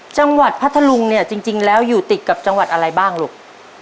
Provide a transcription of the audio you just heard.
พัทธลุงเนี่ยจริงแล้วอยู่ติดกับจังหวัดอะไรบ้างลูก